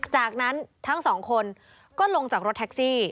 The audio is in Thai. จากนั้นทั้งสองคนก็ลงจากรถแท็กซี่